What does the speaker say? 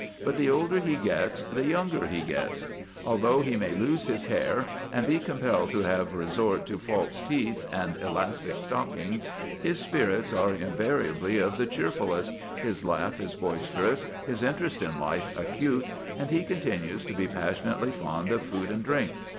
But the older he gets the younger he gets. Although he may lose his hair, and be compelled to have resort to false teeth and elastic stockings, his spirits are invariably of the cheerfullest, his laugh is boisterous, his interest in life acute, and he continues to be passionately fond of food and drink.